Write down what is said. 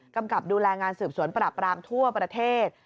กับดูแลงานสืบสวนปราบรามทั่วประเทศ